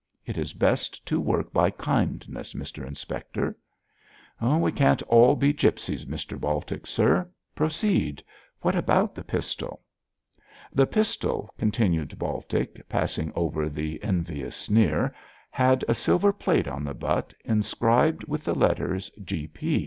It is best to work by kindness, Mr Inspector.' 'We can't all be gipsies, Mr Baltic, sir. Proceed! What about the pistol?' 'The pistol,' continued Baltic, passing over the envious sneer, 'had a silver plate on the butt, inscribed with the letters "G.P."